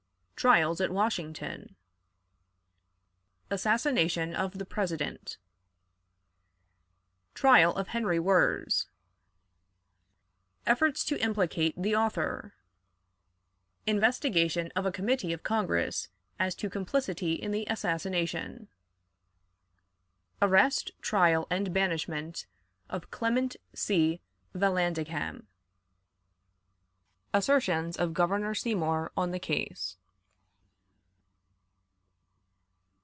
Trials at Washington. Assassination of the President. Trial of Henry Wirz. Efforts to implicate the Author. Investigation of a Committee of Congress as to Complicity in the Assassination. Arrest, Trial, and Banishment of Clement C. Vallandigham. Assertions of Governor Seymour on the Case.